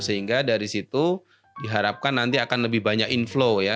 sehingga dari situ diharapkan nanti akan lebih banyak inflow ya